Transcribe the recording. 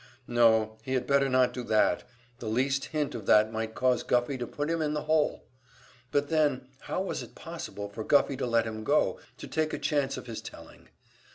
No, he had better not do that; the least hint of that might cause Guffey to put him in the hole! But then, how was it possible for Guffey to let him go, to take a chance of his telling?